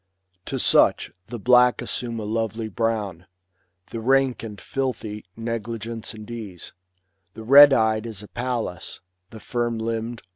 To such the black assume a lovely brown ; The rank and filthy, negligence and ease ; The red eyed is a Pallas ; the firm limb'd.